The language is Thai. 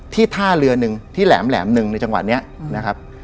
ท่าเรือหนึ่งที่แหลมหนึ่งในจังหวัดนี้นะครับ